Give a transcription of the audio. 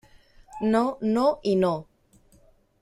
No, no i no.